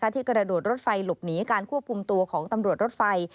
ที่กระโดดรถไฟหลบหนีการควบคุมตัวของตำรวจรถไฟ